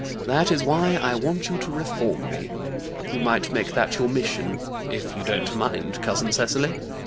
That is why I want you to reform me. You might make that your mission, if you don't mind, cousin Cecily.